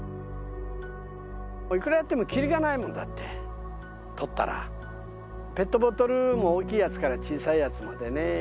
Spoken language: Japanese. いくらやってもきりがないもんだってとったらペットボトルも大きいやつから小さいやつまでね